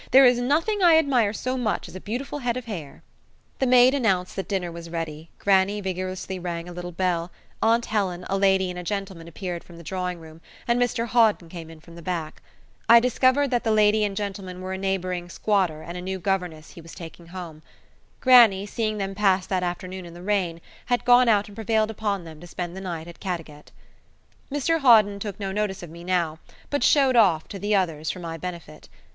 There is nothing I admire so much as a beautiful head of hair." The maid announced that dinner was ready, grannie vigorously rang a little bell, aunt Helen, a lady, and a gentleman appeared from the drawing room, and Mr Hawden came in from the back. I discovered that the lady and gentleman were a neighbouring squatter and a new governess he was taking home. Grannie, seeing them pass that afternoon in the rain, had gone out and prevailed upon them to spend the night at Caddagat. Mr Hawden took no notice of me now, but showed off to the others for my benefit.